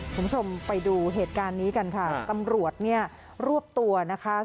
คุณผู้ชมไปดูเหตุการณ์นี้กันค่ะตำรวจเนี่ยรวบตัวนะคะ